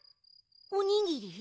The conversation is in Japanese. おにぎり？